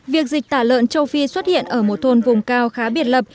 việc dịch tả lợn châu phi xuất hiện ở một thôn vùng cao khá biệt lập